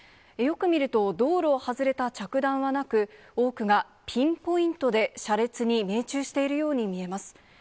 よく見ると、道路を外れた着弾はなく、多くがピンポイントで車列に命中しているように見えます。